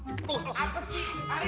apa sih aril